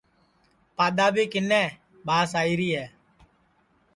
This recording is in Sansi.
پادؔا بھی کِنے ٻاس آئیری ہے